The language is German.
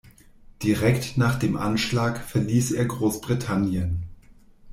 Direkt nach dem Anschlag verließ er Großbritannien.